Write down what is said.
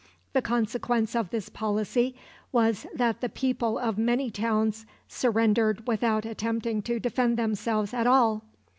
The consequence of this policy was that the people of many of the towns surrendered without attempting to defend themselves at all.